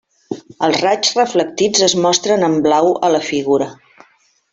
Els raigs reflectits es mostren en blau a la figura.